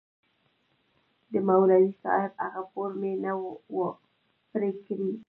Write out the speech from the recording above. د مولوي صاحب هغه پور مې نه و پرې کړى.